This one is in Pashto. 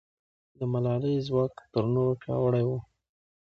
د ملالۍ ځواک تر نورو پیاوړی و.